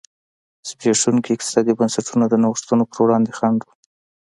زبېښونکي اقتصادي بنسټونه د نوښتونو پر وړاندې خنډ و.